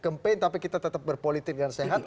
campaign tapi kita tetap berpolitik dengan sehat